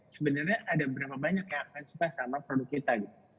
sebenarnya ada berapa banyak yang akan suka sama produk kita gitu